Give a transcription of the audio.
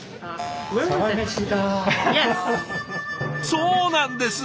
そうなんです！